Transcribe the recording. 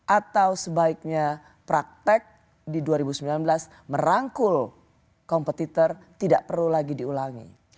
atau sebaiknya praktek di dua ribu sembilan belas merangkul kompetitor tidak perlu lagi diulangi